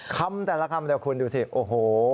คำแต่ละคำเดี๋ยวคุณดูสิโอ้โห